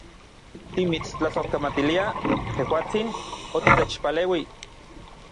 Timitstlasojkamatiliaj, tejuatsin, otitechpaleui.